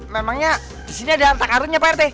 memangnya disini ada harta karunnya pak rt